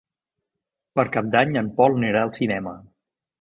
Per Cap d'Any en Pol anirà al cinema.